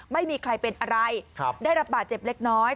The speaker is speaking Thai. ไม่มีใครเป็นอะไรได้รับบาดเจ็บเล็กน้อย